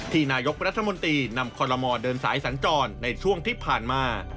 นายกรัฐมนตรีนำคอลโลมอลเดินสายสัญจรในช่วงที่ผ่านมา